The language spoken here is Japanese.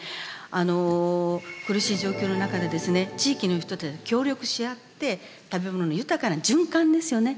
苦しい状況の中でですね地域の人たち協力し合って食べ物の豊かな循環ですよね